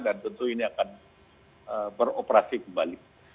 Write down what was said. dan tentu ini akan beroperasi kembali